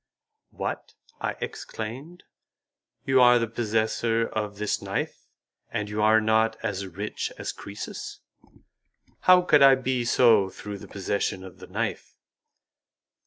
"What!" I exclaimed, "you are the possessor of this knife, and you are not as rich as Croesus?" "How could I be so through the possession of the knife?"